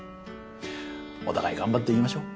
お互い頑張っていきましょう。